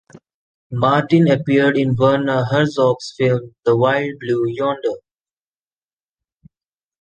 Martin appeared in Werner Herzog's film "The Wild Blue Yonder".